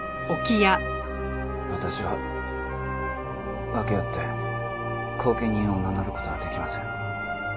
私は訳あって後見人を名乗る事はできません。